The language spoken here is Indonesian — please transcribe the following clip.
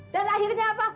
dan akhirnya apa